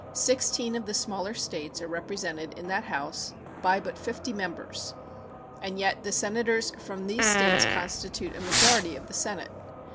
Sixteen of the smaller States are represented in that House by but 50 Members, and yet the Senators from these States constitute a majority of the Senate.